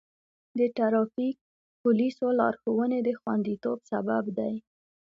د ټرافیک پولیسو لارښوونې د خوندیتوب سبب دی.